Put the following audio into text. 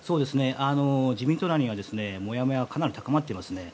自民党内には、もやもやがかなり高まっていますね。